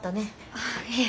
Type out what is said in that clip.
ああいえ。